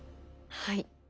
はい。